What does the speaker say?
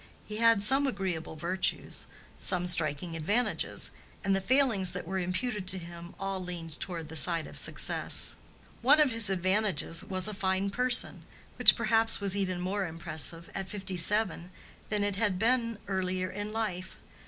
He had some agreeable virtues, some striking advantages, and the failings that were imputed to him all leaned toward the side of success. One of his advantages was a fine person, which perhaps was even more impressive at fifty seven than it had been earlier in life.